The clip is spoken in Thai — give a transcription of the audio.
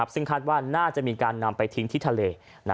ซึ่งคาดว่าน่าจะมีการนำไปทิ้งที่ทะเล